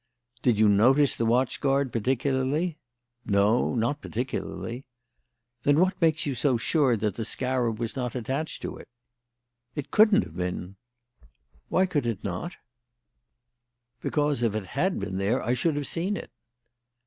"Did you notice the watch guard particularly?" "No, not particularly." "Then what makes you so sure that the scarab was not attached to it?" "It couldn't have been." "Why could it not?" "Because if it had been there I should have seen it."